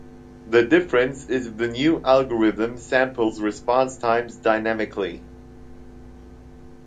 The difference is the new algorithm samples response times dynamically.